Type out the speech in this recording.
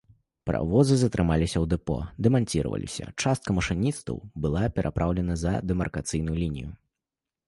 Паравозы затрымліваліся ў дэпо, дэманціраваліся, частка машыністаў была перапраўлена за дэмаркацыйную лінію.